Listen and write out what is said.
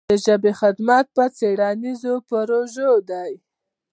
د ژبې خدمت په څېړنیزو پروژو دی.